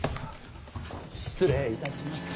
失礼いたしました。